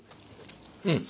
うん。